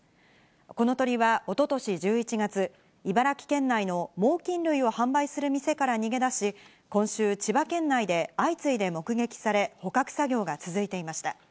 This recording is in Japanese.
この鳥はおととし１１月、茨城県内の猛きん類を販売する店から逃げ出し、今週、千葉県内で相次いで目撃され、捕獲作業が続いていました。